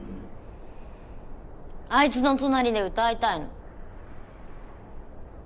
アイツの隣で歌いたいの。